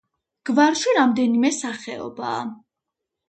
გვარში რამდენიმე სახეობაა.